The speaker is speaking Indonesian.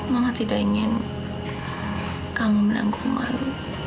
mama tidak ingin kamu menanggung malu